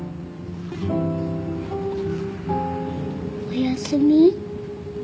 お休み？